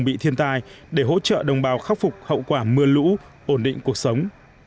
bị thiên tai để hỗ trợ đồng bào khắc phục hậu quả mưa lũ ổn định cuộc sống